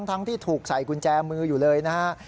ทั้งที่ถูกใส่กุญแจมืออยู่เลยนะฮะ